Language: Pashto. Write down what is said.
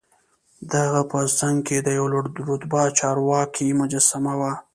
دهغه په څنګ کې د یوه لوړ رتبه چارواکي مجسمه وه.